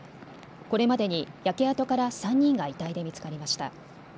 これまでに焼け跡から３人が遺体で見つかりました。